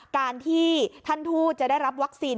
การที่ท่านทูตจะได้รับวัคซีน